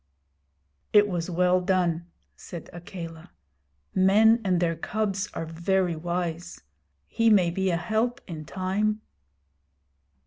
'It was well done,' said Akela. 'Men and their cubs are very wise. He may be a help in time.'